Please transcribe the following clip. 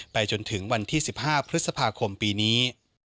จนถึงวันที่๑๕พฤษภาคมปีนี้